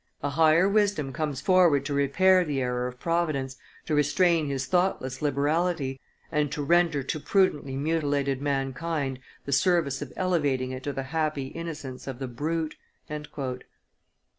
A higher wisdom comes forward to repair the error of Providence, to restrain His thoughtless liberality, and to render to prudently mutilated mankind the service of elevating it to the happy innocence of the brute."